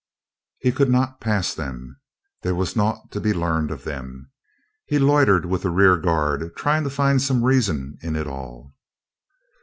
He could not pass them. There was naught to be learned of them. He loitered with the rearguard, trying to find some reason in it all.